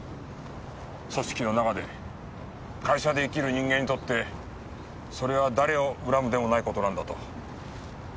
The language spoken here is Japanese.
組織の中で会社で生きる人間にとってそれは誰を恨むでもない事なんだと。